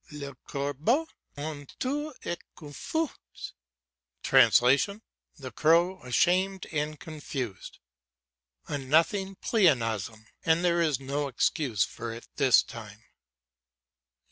"Le corbeau, honteux et confus" (The crow, ashamed and confused). A nothing pleonasm, and there is no excuse for it this time.